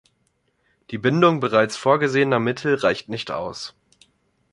Die Bindung bereits vorgesehener Mittel reicht nicht aus.